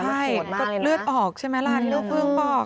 โหดมากเลยนะใช่เลือดออกใช่ไหมล่ะเลือดเพิ่งปอก